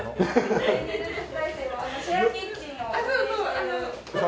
あの。